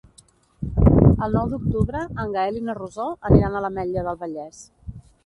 El nou d'octubre en Gaël i na Rosó aniran a l'Ametlla del Vallès.